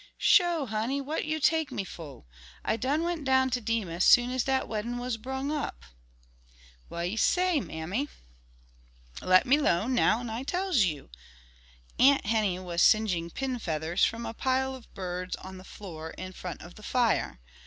"Sho, honey, wha' you take me fo'? I done went down to Demus soon as dat weddin' wus brung up." "Wha' he say, mammy?" "Let me 'lone now tell I tells you." Aunt Henny was singeing pin feathers from a pile of birds on the floor in front of the fire.